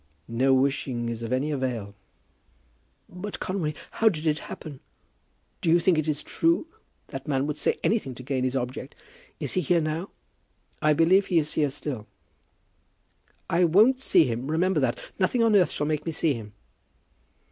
"No wishing is of any avail." "But, Conway, how did it happen? Do you think it is true? That man would say anything to gain his object. Is he here now?" "I believe he is here still." "I won't see him. Remember that. Nothing on earth shall make me see him."